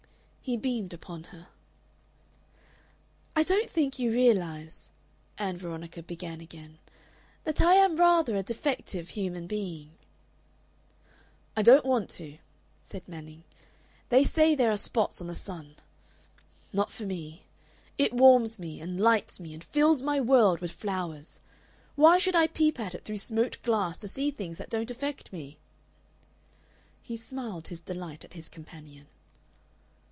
He beamed upon her. "I don't think you realize," Ann Veronica began again, "that I am rather a defective human being." "I don't want to," said Manning. "They say there are spots on the sun. Not for me. It warms me, and lights me, and fills my world with flowers. Why should I peep at it through smoked glass to see things that don't affect me?" He smiled his delight at his companion.